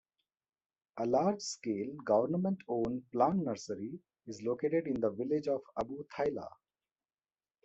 A large-scale government-owned plant nursery is located in the village of Abu Thaylah.